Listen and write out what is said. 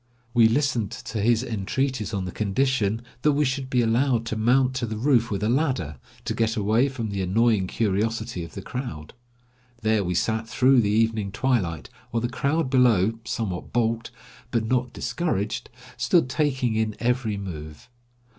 We listened to his entreaties on the condition that we should be allowed to mount to the roof with a ladder, to get away from the annoying curiosity of the crowd. There we sat through the evening twilight, while the crowd below, somewhat balked, but not discouraged, stood taking in every move.